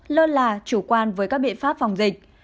lơ là chủ quan với các biện pháp phòng dịch